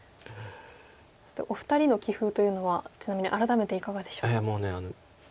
そしてお二人の棋風というのはちなみに改めていかがでしょうか？